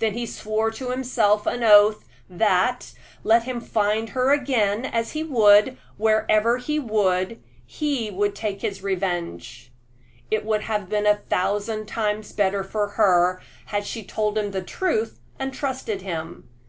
Then he swore to himself an oath that, let him find her again, as he would wherever he would he would take his revenge. It would have been a thousand times better for her had she told him the truth and trusted him.